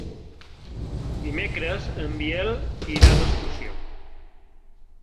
Dimecres en Biel irà d'excursió.